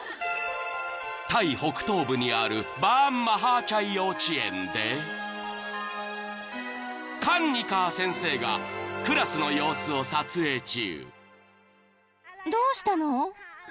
［タイ北東部にあるバーン・マハーチャイ幼稚園でカンニカー先生がクラスの様子を撮影中］